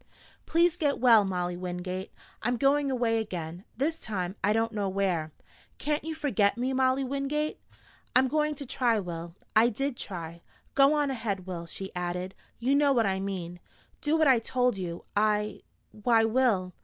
"Please get well, Molly Wingate! I'm going away again. This time, I don't know where. Can't you forget me, Molly Wingate?" "I'm going to try, Will. I did try. Go on ahead, Will," she added. "You know what I mean. Do what I told you. I why, Will!"